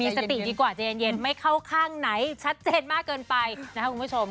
สติดีกว่าใจเย็นไม่เข้าข้างไหนชัดเจนมากเกินไปนะครับคุณผู้ชม